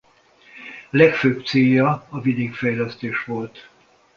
Legfőbb célja a vidékfejlesztés volt.